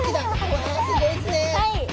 うわすギョいですね。